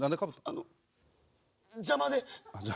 あの邪魔で。